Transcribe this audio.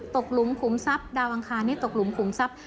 หลุมขุมทรัพย์ดาวอังคารนี้ตกหลุมขุมทรัพย